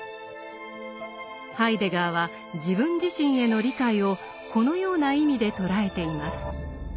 ハイデガーは自分自身への「理解」をこのような意味で捉えています。